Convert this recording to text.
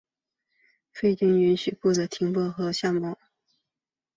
非经许可不得停泊和下锚。